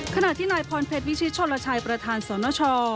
ขณะที่นายพรเพชรวิชิตชนลชัยประธานสนช